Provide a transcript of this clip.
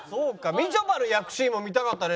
みちょぱの焼くシーンも見たかったね。